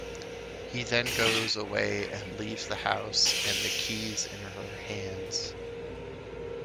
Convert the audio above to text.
He then goes away and leaves the house and the keys in her hands.